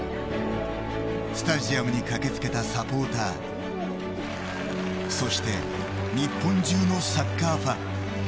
スタジアムに駆けつけたサポーターそして日本中のサッカーファン。